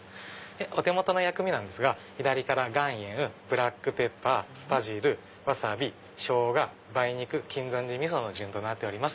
お手元の薬味左から岩塩ブラックペッパーバジルワサビショウガ梅肉金山寺みその順となってます。